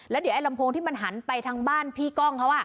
เดี๋ยวไอ้ลำโพงที่มันหันไปทางบ้านพี่ก้องเขา